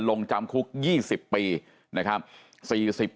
ลงจำคุก๒๐ปีนะครับ